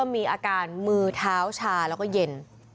มีอาการมือเท้าชาแล้วก็เย็น